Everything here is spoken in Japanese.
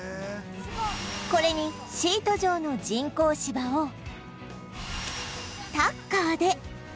これにシート状の人工芝をタッカーで